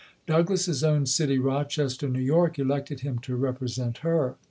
Douglass's own city, Rochester, New York, elected him to represent her.